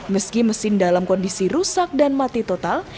meski mesin dalam kondisi rusak dan mati total